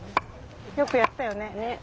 よくやったよね。